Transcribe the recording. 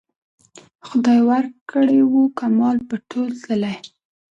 خدای ورکړی وو کمال په تول تللی